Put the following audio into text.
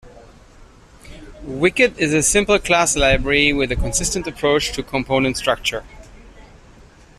Wicket is a simple class library with a consistent approach to component structure.